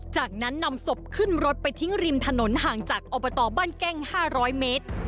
จากนั้นนำศพขึ้นรถไปทิ้งริมถนนห่างจากอบตบ้านแก้ง๕๐๐เมตร